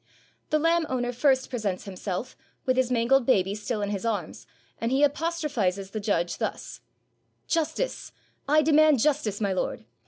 The lamb owner first presents himself, with his man gled baby still in his arms, and he apostrophizes the judge thus: "Justice — I demand justice, my lord.